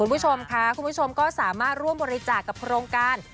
คุณผู้ชมค่ะคุณผู้ชมก็สามารถร่วมบริจาคกับโครงการ